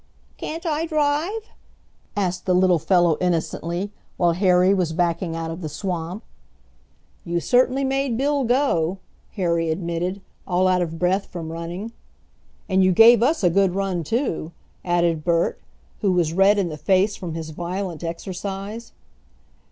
"Can't I drive?" asked the little fellow innocently, while Harry was backing out of the swamp. "You certainly made Bill go," Harry admitted, all out of breath from running. "And you gave us a good run too," added Bert, who was red in the face from his violent exercise.